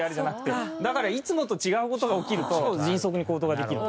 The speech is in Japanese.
だからいつもと違う事が起きると迅速に行動ができると。